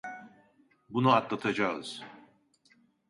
Bunu atlatacağız.